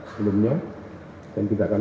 sebelumnya dan kita akan